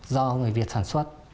do người việt sản xuất